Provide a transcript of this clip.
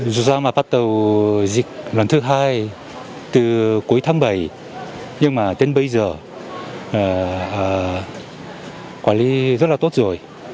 dù ra là bắt đầu dịch lần thứ hai từ cuối tháng bảy nhưng mà đến bây giờ quản lý rất là tốt rồi